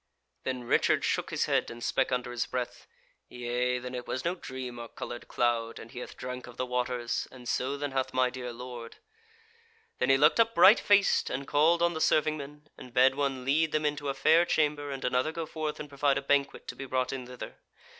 Then Richard shook his head, and spake under his breath: "Yea, then it was no dream or coloured cloud, and he hath drank of the waters, and so then hath my dear lord." Then he looked up bright faced, and called on the serving men, and bade one lead them into a fair chamber, and another go forth and provide a banquet to be brought in thither.